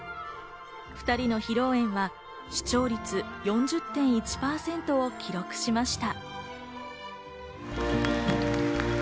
２人の披露宴は視聴率４０．１％を記録しました。